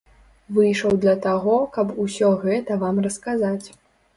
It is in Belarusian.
Выйшаў для таго, каб усё гэта вам расказаць.